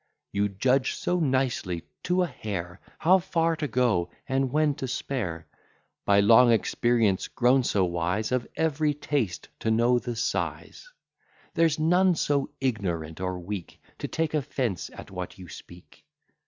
You judge so nicely to a hair, How far to go, and when to spare; By long experience grown so wise, Of every taste to know the size; There's none so ignorant or weak To take offence at what you speak.